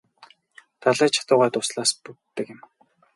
Далай ч атугай дуслаас бүтдэг юм.